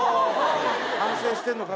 反省してんのか？